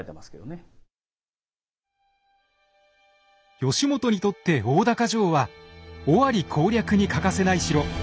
義元にとって大高城は尾張攻略に欠かせない城。